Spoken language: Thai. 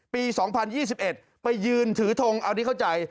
ปี๒๐๒๑ไปยืนถือทงเอาที่เข้าใจ